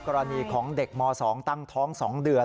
กรณีของเด็กม๒ตั้งท้อง๒เดือน